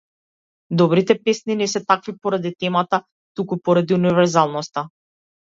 Добрите песни не се такви поради темата, туку поради универзалноста.